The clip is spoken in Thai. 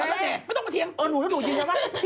น้าทำแหน่ะไม่ต้องมาเทียงเออหนูถูกินใช่ป่ะ